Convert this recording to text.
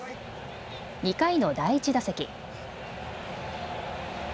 ２回の第１打席。